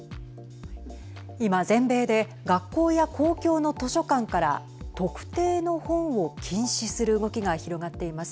今全米で学校や公共の図書館から特定の本を禁止する動きが広がっています。